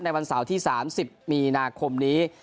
วันเสาร์ที่๓๐มีนาคมนี้